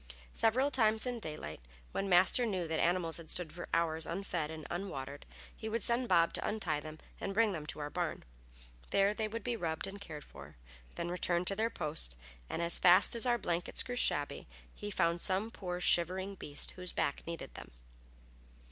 Several times in daylight, when Master knew that animals had stood for hours unfed and unwatered, he would send Bob to untie them and bring them to our barn. There they would be rubbed and cared for, then returned to their post; and as fast as our blankets grew shabby he found some poor, shivering beast whose back needed them.